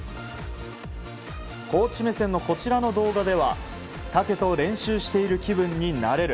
コーチ目線の、こちらの動画ではタケと練習している気分になれる。